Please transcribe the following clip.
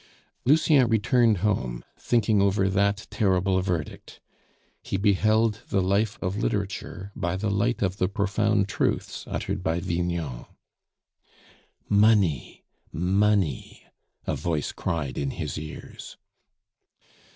Lucien returned home, thinking over that terrible verdict. He beheld the life of literature by the light of the profound truths uttered by Vignon. "Money! money!" a voice cried in his ears.